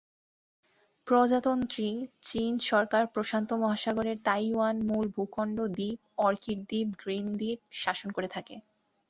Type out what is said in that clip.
প্রজাতন্ত্রী চীন সরকার প্রশান্ত মহাসাগরের তাইওয়ান মূল ভূখণ্ড-দ্বীপ, অর্কিড দ্বীপ, গ্রিন দ্বীপ শাসন করে থাকে।